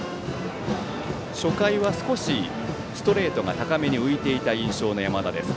初回は少しストレートが高めに浮いていた印象の山田です。